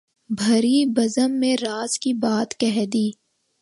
بھری بزم میں راز کی بات کہہ دی